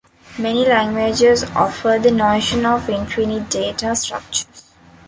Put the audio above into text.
Many languages offer the notion of "infinite data-structures".